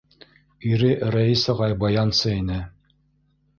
Ире Рәис ағай баянсы ине.